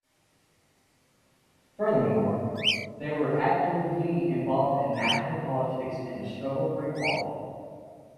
Furthermore, they were actively involved in national politics and the struggle for equality.